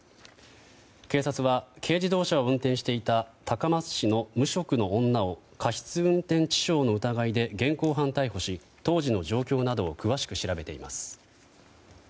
警察は軽自動車を運転していた高松市の無職の女を過失運転致傷の疑いで現行犯逮捕し当時の状況などを詳しく調べています。